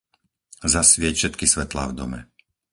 Zasvieť všetky svetlá v dome.